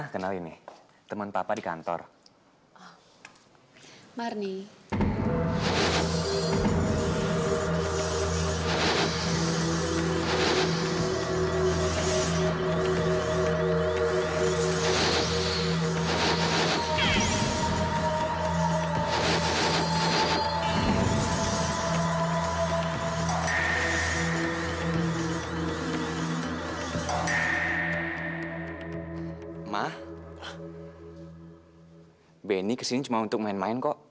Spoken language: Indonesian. sampai jumpa di video selanjutnya